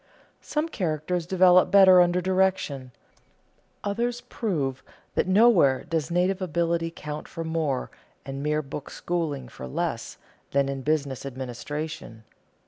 Some characters develop better under direction; others prove that nowhere does native ability count for more, and mere book schooling for less, than in business administration.